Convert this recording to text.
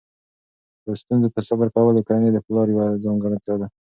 ستونزو ته صبر کول د کورنۍ د پلار یوه ځانګړتیا ده.